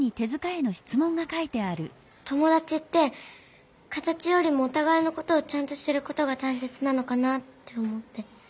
ともだちって形よりもおたがいのことをちゃんと知ることがたいせつなのかなって思って。